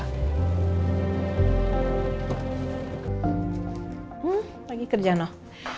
hmm lagi kerja noh